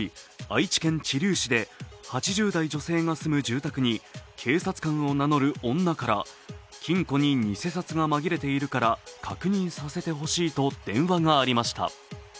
愛知県知立市で８０代女性が住む住宅に警察官を名乗る女から金庫に偽札が紛れているから確認させてほしいと電話がありました。